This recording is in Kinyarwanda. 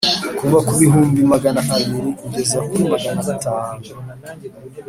kuva ku bihumbi magana abiri kugeza kuri maganatanu